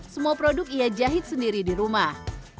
semua produk ia jahit sendiri di rumah